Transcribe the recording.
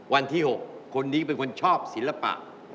วันที่๖คนนี้เป็นคนชอบศิลปะ